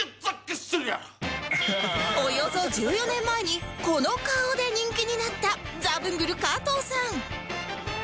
およそ１４年前にこの顔で人気になったザブングル加藤さん